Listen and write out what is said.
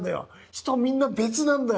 人みんな別なんだよ！